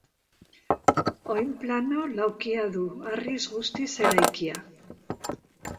Oinplano laukia du, harriz guztiz eraikia.